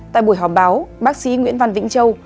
tại buổi họp báo bác sĩ nguyễn văn vĩnh châu